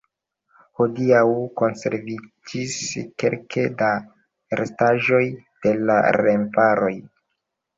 Hodiaŭ konserviĝis kelke da restaĵoj de la remparoj.